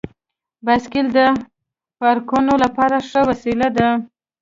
بایسکل د پارکونو لپاره ښه وسیله ده.